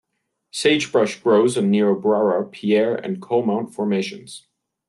Sagebrush grows on the Niobrara, Pierre and Coalmount formations.